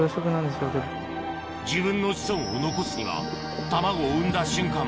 自分の子孫を残すには卵を産んだ瞬間